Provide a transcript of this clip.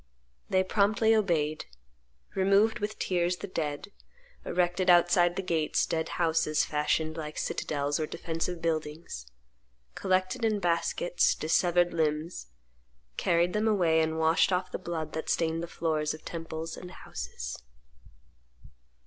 They promptly obeyed; removed, with tears, the dead; erected outside the gates dead houses fashioned like citadels or defensive buildings; collected in baskets dissevered limbs; carried them away, and washed off the blood that stained the floors of temples and houses."